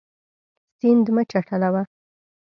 سیند مه چټلوه.